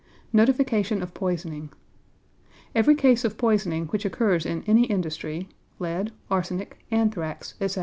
=Notification of Poisoning.= Every case of poisoning which occurs in any industry (lead, arsenic, anthrax, etc.)